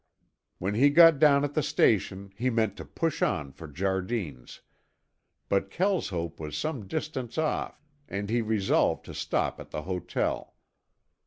When he got down at the station he meant to push on for Jardine's, but Kelshope was some distance off and he resolved to stop at the hotel.